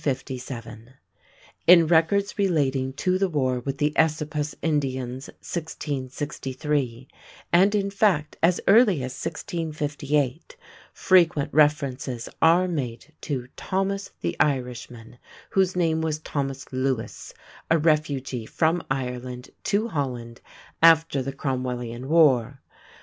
In records relating to the war with the Esopus Indians (1663), and in fact as early as 1658, frequent references are made to "Thomas the Irishman", whose name was Thomas Lewis, a refugee from Ireland to Holland after the Cromwellian war.